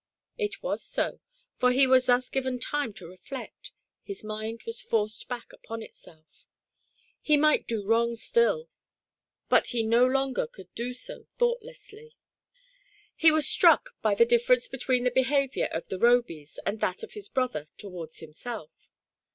It was so, for he was thus given time to reflect, his mind was forced back upon itself ; he might do wrong still, but he no longer could do so thoughtlessly. He was struck by the difference .between the behaviour of the Robys and that of his brother towards himself.